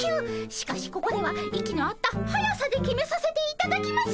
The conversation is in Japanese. しかしここでは息の合った速さで決めさせていただきます。